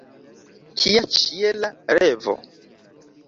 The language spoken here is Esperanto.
Kia ĉiela revo!